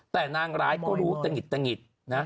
แต่นางร้ายก็รู้ตะหงิด